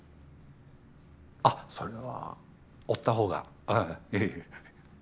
あっそれは追った方がああええ。